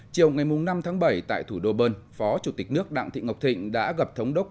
chiều ngày năm tháng bảy tại thủ đô bern phó chủ tịch nước đặng thị ngọc thịnh đã gặp thống đốc